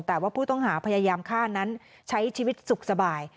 แต่ว่าผู้ต้องหาพยายามฆ่านั้นใช้ชีวิตสุขสบาย